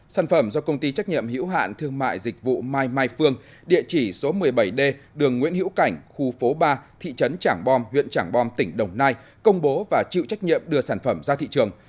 sản phẩm do công ty trách nhiệm hiểu hạn thương mại dịch vụ mai mai phương địa chỉ số một mươi bảy d đường nguyễn hữu cảnh khu phố ba thị trấn trảng bom huyện trảng bom tỉnh đồng nai công bố và chịu trách nhiệm đưa sản phẩm ra thị trường